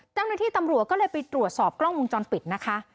เจ้าหน้าที่ตำรวจก็เลยไปตรวจสอบกล้องวงจรปิดนะคะ